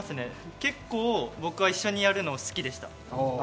結構、僕は一緒にやるの好きでした。